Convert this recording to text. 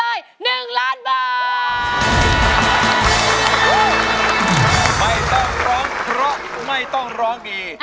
ไม่ต้องร้องเพราะไม่ต้องร้องดี